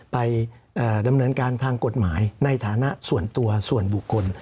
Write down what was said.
ไปดำเนินการทางกฎหมายในฐานะส่วนตัวส่วนบุคคล